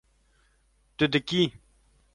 Tu dikî